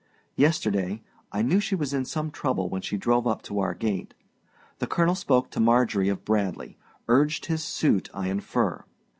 Yesterday (I knew she was in some trouble when she drove up to our gate) the colonel spoke to Marjorie of Bradly urged his suit, I infer.